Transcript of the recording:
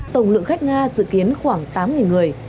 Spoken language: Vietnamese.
tổng lượng khách nga dự kiến khoảng tám người